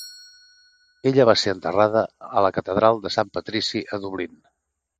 Ella va ser enterrada a la Catedral de San Patrici a Dublín.